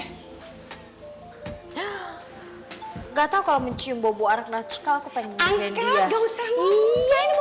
hai gatal kalau mencium bobo anak natsikal aku pengen ngerjain ya enggak usah nih ini mau ngerti hobinya adriana ngomong